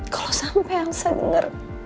kalo sampe elsa denger